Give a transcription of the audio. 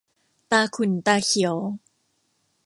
ตาขุ่นตาเขียว